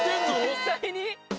実際に？